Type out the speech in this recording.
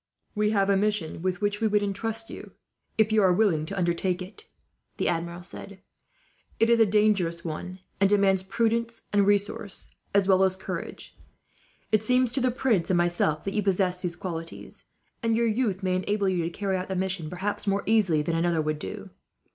"We have a mission with which we would intrust you, if you are willing to undertake it," the Admiral said. "It is a dangerous one, and demands prudence and resource, as well as courage. It seems to the prince and myself that you possess these qualities; and your youth may enable you to carry out the mission, perhaps, more easily than another would do.